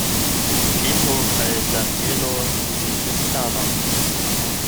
Petro kaj Danjelo vizitis Karlon.